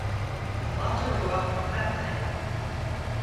Tá madra rua mar pheata againn